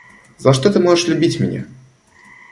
За что ты можешь любить меня?